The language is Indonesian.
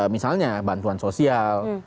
misalnya bantuan sosial